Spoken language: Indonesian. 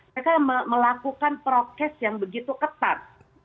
mereka melakukan prokes yang begitu ketat